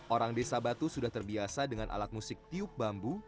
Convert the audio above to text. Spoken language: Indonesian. orang desa batu sudah terbiasa dengan alat musik tiup bambu